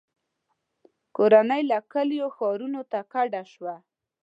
• کورنۍ له کلیو ښارونو ته کډه شوه.